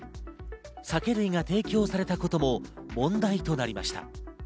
酒類が提供されたことも問題となりました。